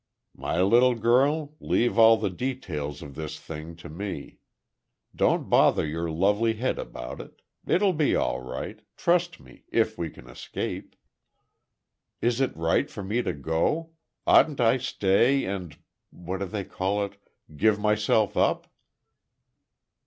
"My little girl, leave all the details of this thing to me. Don't bother your lovely head about it. It will be all right—trust me—if we can escape." "Is it right for me to go? Oughtn't I stay and—what do they call it? give myself up?"